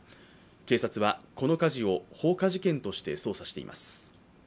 警察はこの火事を放火事件として捜査しています。